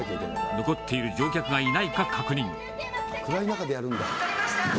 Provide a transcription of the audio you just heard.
残っている乗客がいないか確認。